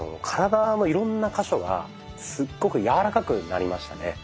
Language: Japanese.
体のいろんな箇所がすっごく柔らかくなりましたね。